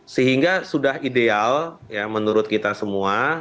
sehingga sudah ideal ya menurut kita semua